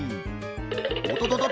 「おとととと！